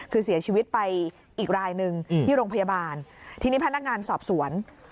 คือเสียชีวิตไปอีกรายหนึ่งที่โรงพยาบาลทีนี้พนักงานสอบสวน